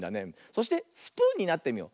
そしてスプーンになってみよう。